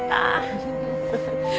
フフフ。